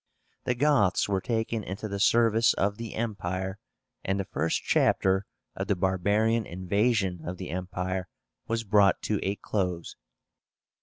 The Goths were taken into the service of the Empire, and the first chapter of the barbarian invasion of the Empire was brought to a close.